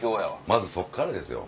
まずそっからですよ